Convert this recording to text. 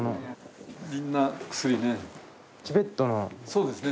そうですね